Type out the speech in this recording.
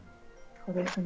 そうですね。